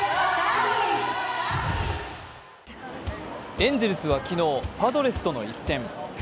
エンゼルスは昨日パドレスとの一戦。